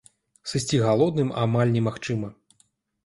Сысці галодным амаль немагчыма.